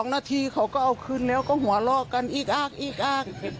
๒นาทีเขาก็เอาขึ้นแล้วก็หัวลอกกันอีกอักอีกอัก